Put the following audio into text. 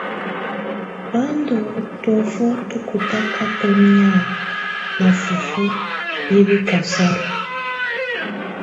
Bá ndù tɔ̀ofɔ tù kɔtakatɔ nɛ̀á ná fufuǝ́ yɛ bɛkasala.